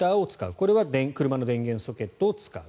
これは車の電源ソケットを使う。